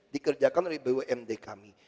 dikerjakan dari bumd kami